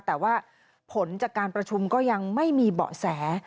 แต่ว่าผลจากการประชุมก็ยังไม่มีเบาะแส